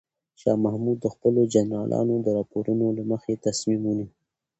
شاه محمود د خپلو جنرالانو د راپورونو له مخې تصمیم ونیو.